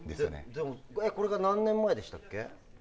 でも、これが何年ごろでしたっけ？